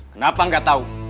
kenapa nggak tahu